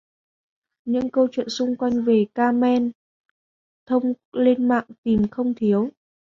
Những câu chuyện xung quanh về Kamen thông lên mạng tìm không thiếu